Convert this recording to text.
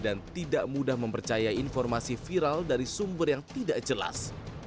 dan tidak mudah mempercaya informasi viral dari sumber yang tidak jelas